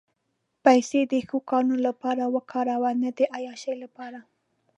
پېسې د ښو کارونو لپاره وکاروه، نه د عیاشۍ لپاره.